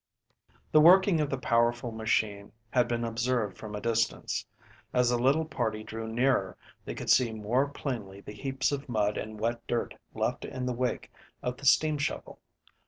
THE working of the powerful machine had been observed from a distance. As the little party drew nearer, they could see more plainly the heaps of mud and wet dirt left in the wake of the steam shovel.